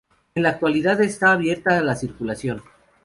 En la actualidad está abierta a la circulación.